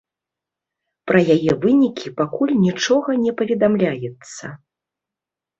Пра яе вынікі пакуль нічога не паведамляецца.